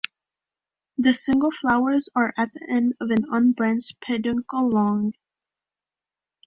The single flowers are at the end of an unbranched peduncle long.